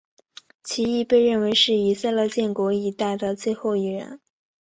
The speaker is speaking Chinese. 其亦被认为是以色列建国一代的最后一人。